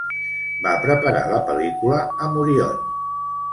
Va preparar la pel·lícula amb Orion.